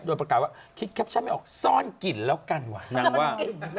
โดยประกาศว่าคิดแคปชั่นไม่ออกซ่อนกลิ่นแล้วกันว่ะนางว่า